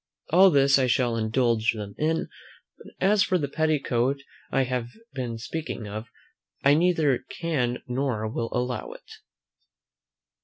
All this I shall indulge them in; but as for the petticoat I have been speaking of, I neither can nor will allow it.